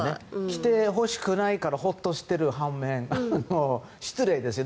来てほしくないからホッとしてる半面失礼ですよ。